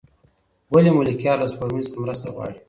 ولې ملکیار له سپوږمۍ څخه مرسته غواړي؟